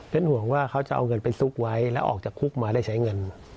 เป็นห่วงว่าเขาจะเอาเงินไปซุกไว้แล้วออกจากคุกมาได้ใช้เงิน